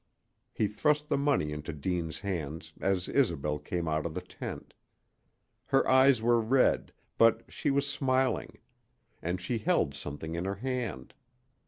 He thrust the money into Deane's hands as Isobel came out of the tent. Her eyes were red, but she was smiling; and she held something in her hand.